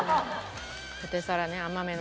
ポテサラね甘めの。